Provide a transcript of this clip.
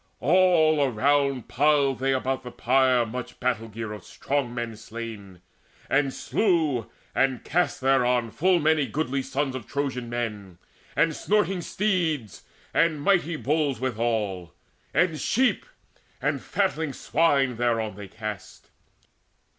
All around Piled they about the pyre much battle gear Of strong men slain; and slew and cast thereon Full many goodly sons of Trojan men, And snorting steeds, and mighty bulls withal, And sheep and fatling swine thereon they cast.